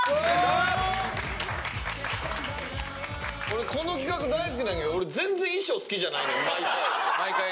俺この企画大好きなんやけど全然衣装好きじゃないねん毎回。